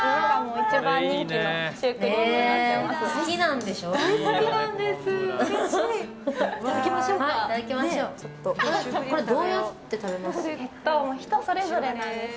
一番人気のシュークリームになっています。